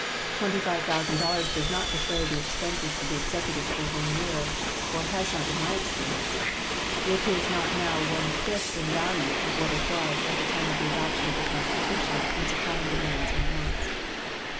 Twenty five thousand dollars does not defray the expenses of the Executive for one year, or has not in my experience. It is not now one fifth in value of what it was at the time of the adoption of the Constitution in supplying demands and wants.